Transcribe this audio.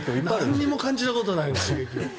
何も感じたことがない刺激を。